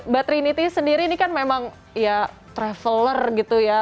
mbak trinity sendiri ini kan memang ya traveler gitu ya